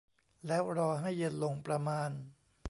แล้วรอให้เย็นลงประมาณ